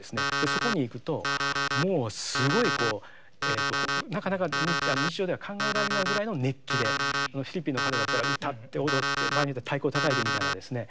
そこに行くともうすごいなかなか日常では考えられないぐらいの熱気でフィリピンの方だったら歌って踊って場合によっては太鼓をたたいてみたいなですね